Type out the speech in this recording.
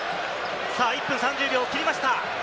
１分３０秒、切りました。